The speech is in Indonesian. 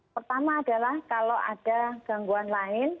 pertama adalah kalau ada gangguan lain